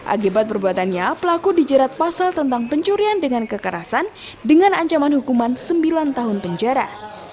akibat perbuatannya pelaku dijerat pasal tentang pencurian dengan kekerasan dengan ancaman hukuman sembilan tahun penjara